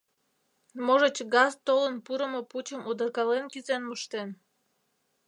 Можыч, газ толын пурымо пучым удыркален кӱзен моштен?